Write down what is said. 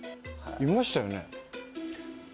いましたよね？